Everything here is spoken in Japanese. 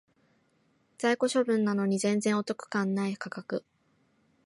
在庫処分なのに全然お得感ない価格